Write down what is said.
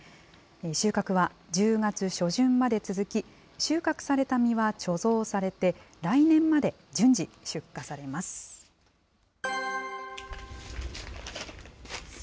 収穫は１０月初旬まで続き、収穫された実は貯蔵されて、来年まで、順次、出荷されます。